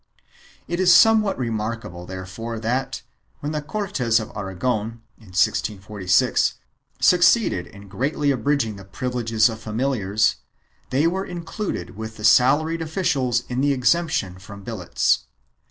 2 It is somewhat remarkable therefore that, when the Cortes of Aragon, in 1646, succeeded in greatly, abridging the privileges of familiars, they were included with the salaried offi cials in the exemption from billets.